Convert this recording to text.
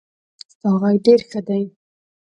ستا غږ ډېر ښه دی.